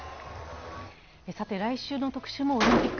来週の特集もオリンピック。